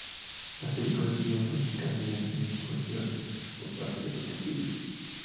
La película recibió críticas medianamente positivas por parte de los críticos.